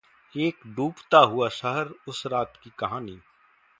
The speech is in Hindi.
एक डूबता हुआ शहर...उस रात की कहानी